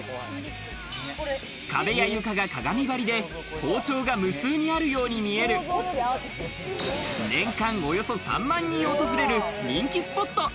壁や床が鏡張りで包丁が無数にあるように見える年間およそ３万人訪れる、人気スポット。